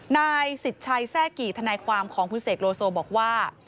นายสิทธิ์ชัยแทร่กี่ทนายความของคุณเสกโลโซบอกว่า